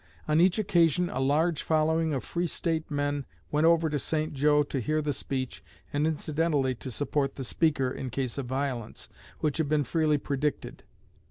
On each occasion a large following of 'free state' men went over to St. Jo to hear the speech and incidentally to support the speaker in case of violence, which had been freely predicted.